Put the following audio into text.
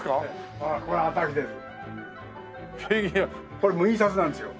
これも印刷なんですよ。